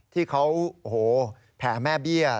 ที่เขาแผ่แม่เบี้ย